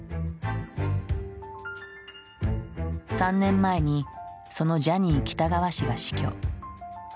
３年前にそのジャニー喜多川氏が死去。